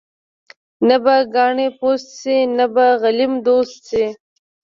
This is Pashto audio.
نه به کاڼې پوست شي، نه به غلیم دوست شي.